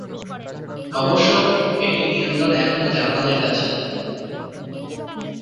অবশ্য এটির নিয়ন্ত্রণ এখনো জাপানের কাছেই।